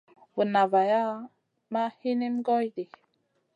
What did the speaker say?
Vunna vaya nay ma hinim goy ɗi.